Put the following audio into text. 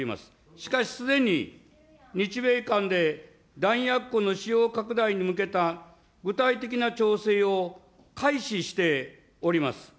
しかし、すでに、日米間で弾薬庫の使用拡大に向けた具体的な調整を開始しております。